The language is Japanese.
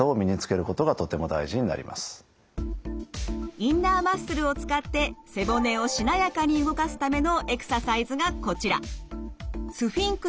インナーマッスルを使って背骨をしなやかに動かすためのエクササイズがこちら。